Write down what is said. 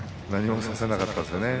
何もさせなかったですね。